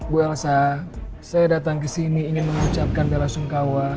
bu elsa saya datang ke sini ingin mengucapkan bela sungkawa